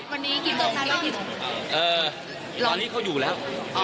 กิจโต๊ะวันนี้เค้าอยู่แล้ว